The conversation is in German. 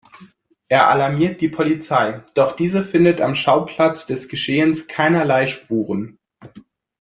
Er alarmiert die Polizei, doch diese findet am Schauplatz des Geschehens keinerlei Spuren.